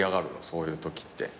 そういうときって。